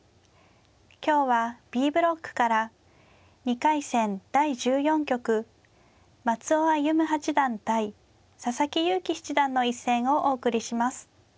今日はＢブロックから２回戦第１４局松尾歩八段対佐々木勇気七段の一戦をお送りします。